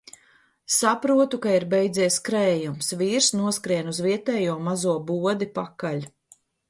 Saprotu, ka ir beidzies krējums. Vīrs noskrien uz vietējo mazo bodi pakaļ.